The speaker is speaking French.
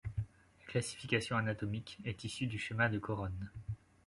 La classification anatomique est issue du schéma de Corone.